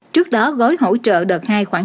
trước đó gói hỗ trợ đợt hai